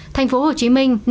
thành phố hồ chí minh